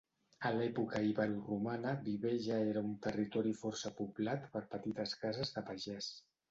A l'època iberoromana Viver ja era un territori força poblat per petites cases de pagès.